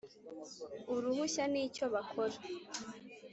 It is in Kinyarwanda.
uruhushya n icyo bakora